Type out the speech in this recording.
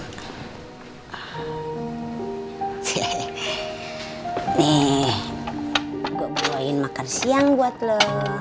nih gue keluarin makan siang buat lo